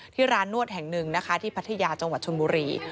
ร้านนวดแห่งหนึ่งนะคะที่พัทยาจังหวัดชนบุรี